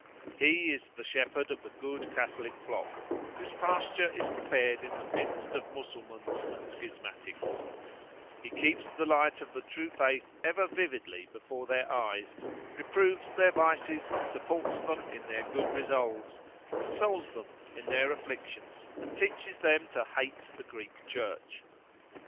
He is the shepherd of the good Catholic flock, whose pasture is prepared in the midst of Mussulmans and schismatics; he keeps the light of the true faith ever vividly before their eyes, reproves their vices, supports them in their good resolves, consoles them in their afflictions, and teaches them to hate the Greek Church.